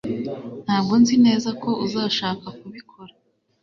ntabwo nzi neza ko uzashaka kubikora